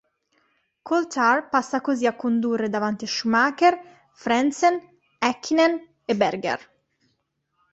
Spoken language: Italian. Coulthard passa così a condurre davanti a Schumacher, Frentzen, Häkkinen e Berger.